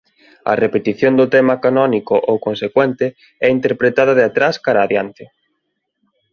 A repetición do tema canónico ou consecuente é interpretada de atrás cara adiante.